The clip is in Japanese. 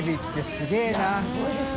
すごいです。